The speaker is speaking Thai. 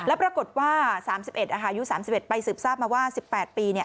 แล้วปรากฏว่า๓๑อายุ๓๑ไปสืบทราบมาว่า๑๘ปี